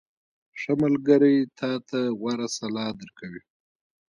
• ښه ملګری تا ته غوره سلا درکوي.